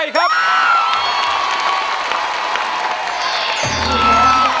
ไม่ทำได้ไม่ทำได้